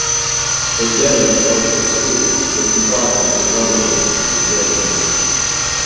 The German Historical School was divided into Romanists and the Germanists.